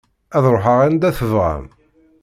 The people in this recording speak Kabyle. Ad ruḥeɣ anda tebɣam.